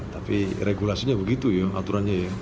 tapi regulasinya begitu ya aturannya ya